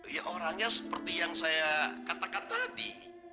ya orangnya seperti yang saya katakan tadi